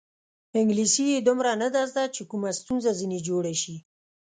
انګلیسي یې دومره نه ده زده چې کومه ستونزه ځنې جوړه شي.